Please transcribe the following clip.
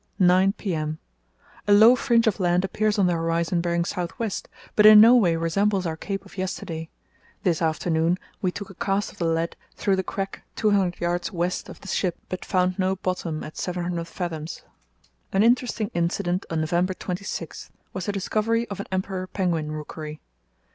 9 p.m.—A low fringe of land appears on the horizon bearing south west, but in no way resembles our Cape of yesterday. This afternoon we took a cast of the lead through the crack 200 yds. west of the ship, but found no bottom at 700 fathoms." An interesting incident on November 26 was the discovery of an emperor penguin rookery.